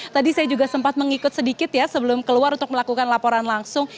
tadi saya juga sempat mengikut sedikit ya sebelum keluar untuk melakukan laporan langsung